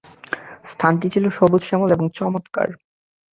স্থানটি ছিল সবুজ-শ্যামল এবং চমৎকার।